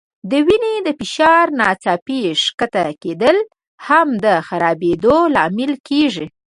د وینې د فشار ناڅاپي ښکته کېدل هم د خرابېدو لامل کېږي.